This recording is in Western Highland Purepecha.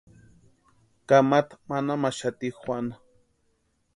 Kamata manamaxati Juana.